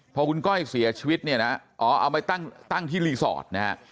พอคุณก้อยเสียชีวิตเนี่ยนะอ๋อเอาไปตั้งที่รีสอร์ทนะฮะ